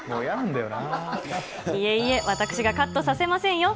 いえいえ、私がカットさせませんよ。